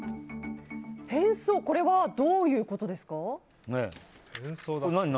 変装、これはどういうことですか？